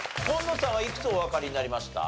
紺野さんはいくつおわかりになりました？